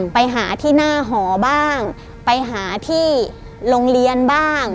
ไปหาที่หน้าหอบ้างไปหาที่โรงเรียนบ้าง